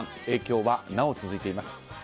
影響はなお続いています。